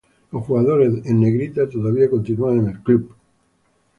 Los jugadores en Negrita todavía continúan en el club.